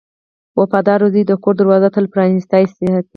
• وفادار زوی د کور دروازه تل پرانستې ساتي.